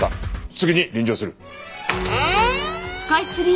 すぐに臨場する。